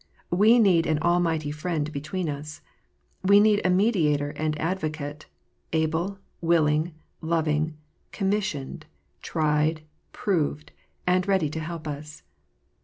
We need an almighty Friend between us. We need a Mediator and Advocate, able, willing, loving, commissioned, tried, proved, and ready to help us.